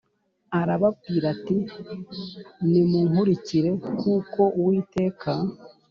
Arababwira ati nimunkurikire kuko uwiteka